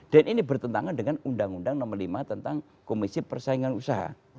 dan ini bertentangan dengan undang undang nomor lima tentang komisi persaingan usaha